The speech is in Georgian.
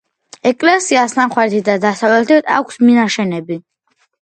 ეკლესიას სამხრეთით და დასავლეთით აქვს მინაშენები.